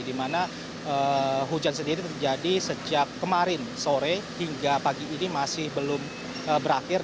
di mana hujan sendiri terjadi sejak kemarin sore hingga pagi ini masih belum berakhir